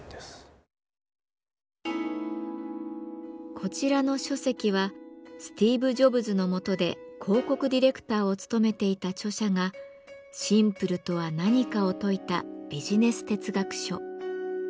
こちらの書籍はスティーブ・ジョブズの下で広告ディレクターを務めていた著者が「シンプルとは何か」を説いたビジネス哲学書。